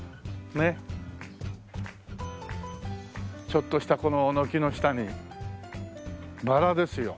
ちょっとしたこの軒の下にバラですよ。